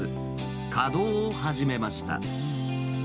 稼働を始めました。